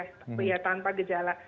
tapi ya tanpa gejala